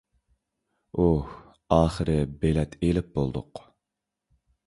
ئۇھ... ئاخىرى بېلەت ئېلىپ بولدۇق.